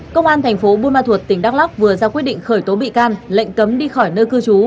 công an thành phố buôn ma thuột tỉnh đắk lắc vừa ra quyết định khởi tố bị can lệnh cấm đi khỏi nơi cư trú